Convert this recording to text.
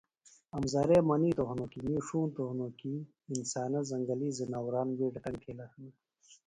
امزرے منیتوۡ ہنوۡ کی می ݜونتوۡ ہنوۡ کیۡ انسانہ زنگلی زناوران بیڈہ تنگ تِھیلہ ہِنہ